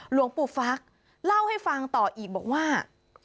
หลวงปู่ฟักเล่าให้ฟังต่ออีกบอกว่า